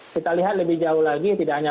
kita lihat lebih jauh lagi tidak hanya